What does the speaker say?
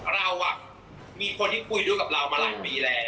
เรามีคนที่คุยด้วยกับเรามาหลายปีแล้ว